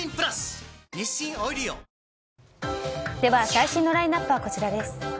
最新のラインアップはこちらです。